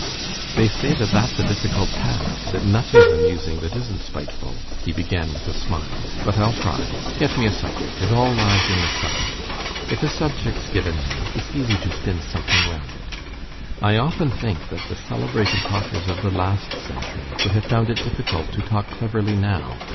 "They say that that's a difficult task, that nothing's amusing that isn't spiteful," he began with a smile. "But I'll try. Get me a subject. It all lies in the subject. If a subject's given me, it's easy to spin something round it. I often think that the celebrated talkers of the last century would have found it difficult to talk cleverly now.